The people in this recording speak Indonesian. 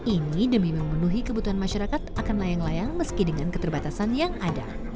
ini demi memenuhi kebutuhan masyarakat akan layang layang meski dengan keterbatasan yang ada